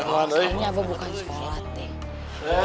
akhirnya abah bukan sholat neng